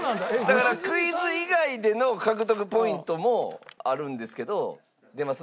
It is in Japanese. だからクイズ以外での獲得ポイントもあるんですけど出ます？